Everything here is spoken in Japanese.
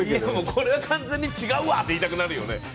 これは完全に違うわ！って言いたくなるよね。